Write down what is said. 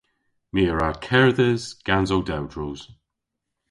My a wra kerdhes gans ow dewdros.